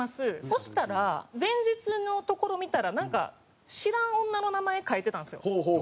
そしたら前日のところ見たらなんか知らん女の名前書いてたんですよ。